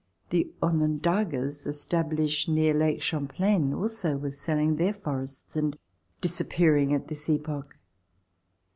The Onondagas, established near Lake Cham plain, also were selling their forests and disappearing at this epoch.